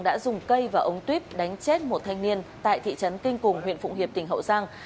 đã dùng cây và ống tuyếp đánh chết một thanh niên tại thị trấn kinh cùng huyện phụng hiệp tỉnh hậu giang